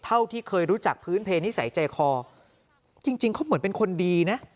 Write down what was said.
เท่าที่เคยรู้จักพื้นเพลนิสัยใจคอจริงเขาเหมือนเป็นคนดีนะ